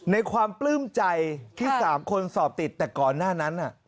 ความปลื้มใจที่๓คนสอบติดแต่ก่อนหน้านั้น